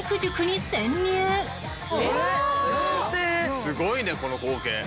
すごいねこの光景。